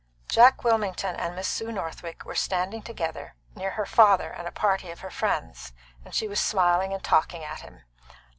Jack Wilmington and Miss Sue Northwick were standing together near her father and a party of her friends, and she was smiling and talking at him.